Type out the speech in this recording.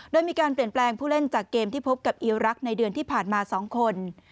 โดยมีการเปลี่ยนแปลงผู้เล่นจากเกมที่พบกับอีรักษ์ในเดือนที่ผ่านมา๒คน